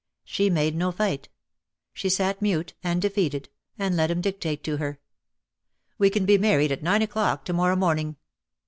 She made no fight. She sat mute and defeated, and let him dictate to her. "We can be married at nine o'clock to moiTOw morning.